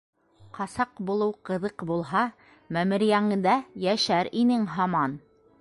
Ҡасаҡ булыу ҡыҙыҡ булһа, мәмерйәңдә йәшәр инең һаман!